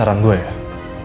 mendingan keluarga afahri